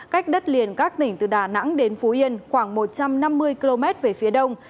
cách đất liền các tỉnh từ đà nẵng đến phú yên khoảng một trăm năm mươi km về phía đông